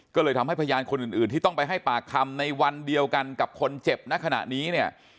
ก็เลยทำให้พยานคนอื่นที่ต้องไปให้ปากคำในวันเดียวกันกับคนเจ็บณขณะนี้เนี่ย